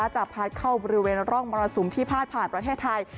จะพัดเข้าบริเวณร่องมรสุมที่พาดผ่านประเทศไทย